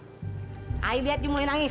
saya lihat anda mulai menangis